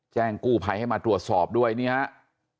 แจ้งกู้ภัยให้มาตรวจสอบด้วยนี่ครับ